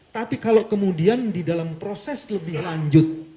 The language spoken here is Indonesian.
tapi kalau kemudian di dalam proses lebih lanjut